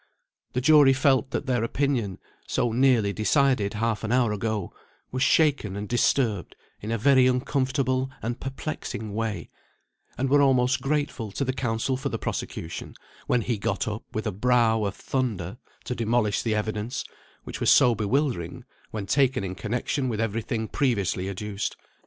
The jury felt that their opinion (so nearly decided half an hour ago) was shaken and disturbed in a very uncomfortable and perplexing way, and were almost grateful to the counsel for the prosecution, when he got up, with a brow of thunder, to demolish the evidence, which was so bewildering when taken in connexion with every thing previously adduced.